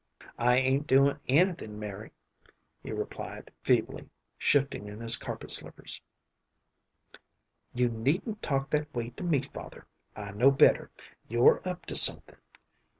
"I ain't doin' anything, Mari," he replied, feebly, shifting in his carpet slippers. "You needn't talk that way to me, father; I know better. You're up to something.